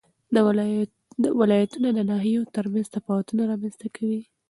ولایتونه د ناحیو ترمنځ تفاوتونه رامنځ ته کوي.